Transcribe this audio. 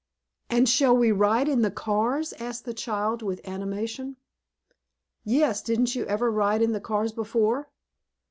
"And shall we ride in the cars?" asked the child, with animation. "Yes, didn't you ever ride in the cars before?"